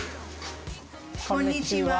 こんにちは。